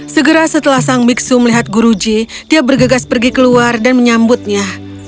segera setelah sang biksu melihat guruji dia bergegas pergi keluar dan menyambutnya